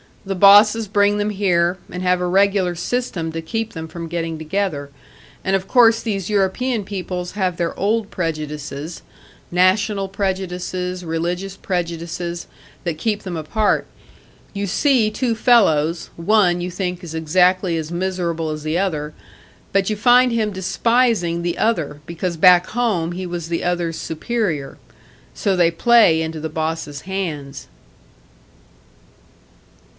The bosses bring them here, and have a regular system to keep them from getting together. And of course these European peoples have their old prejudices national prejudices, religious prejudices, that keep them apart. You see two fellows, one you think is exactly as miserable as the other but you find him despising the other, because back home he was the other's superior. So they play into the bosses' hands."